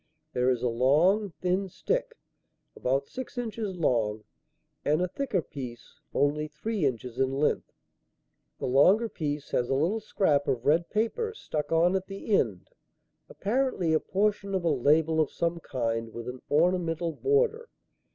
There is a long, thin stick about six inches long and a thicker piece only three inches in length. The longer piece has a little scrap of red paper stuck on at the end; apparently a portion of a label of some kind with an ornamental border.